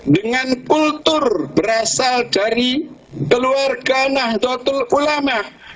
dengan kultur berasal dari keluarga nahdlatul ulama